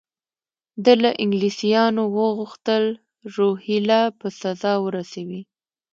ده له انګلیسیانو وغوښتل روهیله په سزا ورسوي.